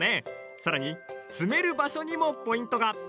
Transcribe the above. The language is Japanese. さらに詰める場所にもポイントが。